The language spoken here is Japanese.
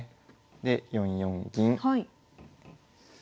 で４四銀。